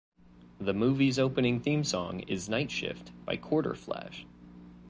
The movie's opening theme song is "Night Shift" by Quarterflash.